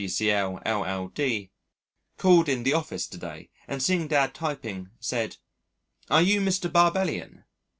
S., D.C.L., LL.D., called in the office to day, and seeing Dad typing, said, "Are you Mr. Barbellion?"